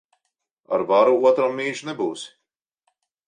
Ar varu otram mīļš nebūsi.